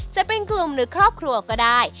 จะเป็นกลุ่มหรือครอบครัวก็ได้